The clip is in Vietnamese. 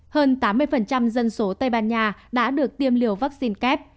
hơn tám mươi dân số tây ban nha đã được tiêm liều vaccine kép